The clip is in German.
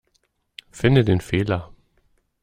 Finde den Fehler.